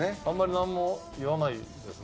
あんまりなんも言わないです